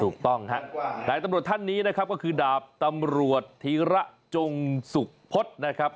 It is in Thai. ถูกต้องฮะนายตำรวจท่านนี้นะครับก็คือดาบตำรวจธีระจงสุพฤษนะครับ